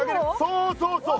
そうそうそう！